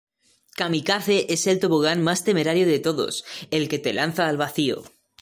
Kamikaze es el tobogán más temerario de todos, el que te lanza al vacío.